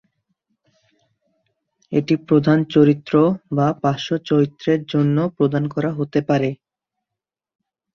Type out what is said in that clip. এটি প্রধান চরিত্র বা পার্শ্ব চরিত্রের জন্যও প্রদান করা হতে পারে।